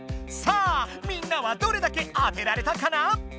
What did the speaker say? さあみんなはどれだけ当てられたかな？